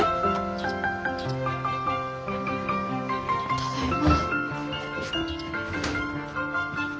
ただいま。